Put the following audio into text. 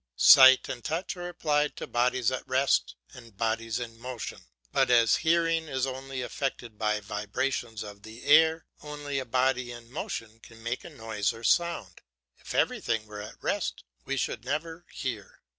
Sight and touch are applied to bodies at rest and bodies in motion, but as hearing is only affected by vibrations of the air, only a body in motion can make a noise or sound; if everything were at rest we should never hear.